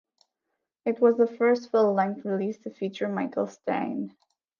It was the first full-length release to feature Mikael Stanne.